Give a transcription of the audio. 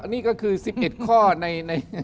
นี่ก็คือ๑๑ข้อใน